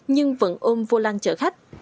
nhưng vẫn ôm vô lan chở khách